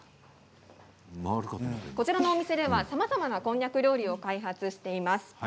こちらのお店ではさまざまなこんにゃく料理を開発しています。